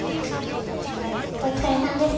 お疲れさんです。